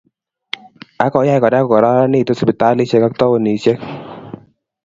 Akoyai kora kokaranitu sipitalishek ab taonishek